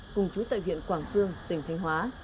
cùng chú tại huyện quảng sương tỉnh thanh hóa